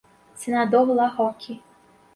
Senador La Rocque